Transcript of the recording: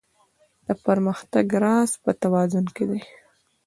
د پرمختګ راز په توازن کې دی.